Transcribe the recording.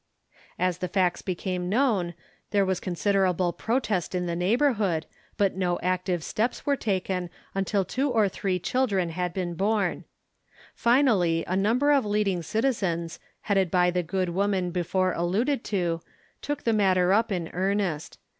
As the facts became known, there was con siderable protest in the neighborhood, but no active steps were taken until two or three children had been born. Finally, a number of leading citizens, headed by the good woman before alluded to, took the matter up in earnest.